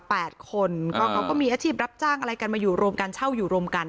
คนก็เขาก็มีอาชีพรับจ้างอะไรกันมาอยู่รวมกันเช่าอยู่รวมกัน